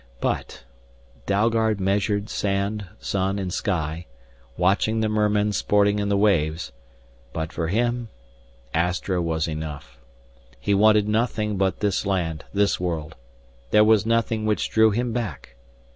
But Dalgard measured sand, sun, and sky, watching the mermen sporting in the waves but for him Astra was enough. He wanted nothing but this land, this world. There was nothing which drew him back.